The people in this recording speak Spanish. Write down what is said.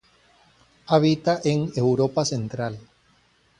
Habita en Europa Central.